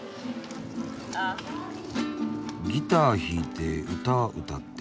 ギター弾いて歌歌って。